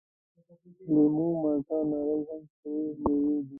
لیمو، مالټه او نارنج هم تروه میوې دي.